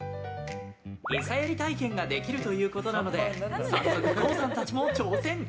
餌やり体験ができるということなので早速ＫＯＯさんたちも挑戦。